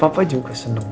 papa juga seneng